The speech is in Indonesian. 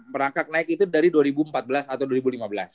perangkat naik itu dari dua ribu empat belas atau dua ribu lima belas